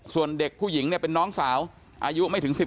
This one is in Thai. ส่วนเด็กผู้หญิงเนี่ยเป็นน้องสาวอายุไม่ถึง๑๘